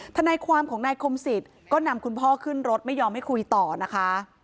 ทนายความของนายคมสิทธิ์ก็นำคุณพ่อขึ้นรถไม่ยอมให้คุยต่อนะคะ